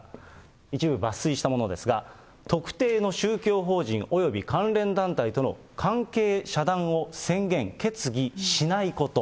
一部抜粋したものですが、特定の宗教法人および関連団体との関係遮断を宣言・決議しないこと。